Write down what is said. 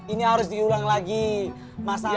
ini harus diulang lagi masalah itu